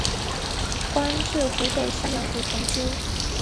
官至湖北襄阳府同知。